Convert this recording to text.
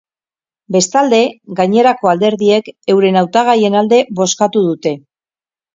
Bestalde, gainerako alderdiek euren hautagaien alde bozkatu dute.